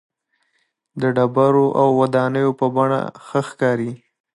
د ډبرو او ودانیو په بڼه ښکاري.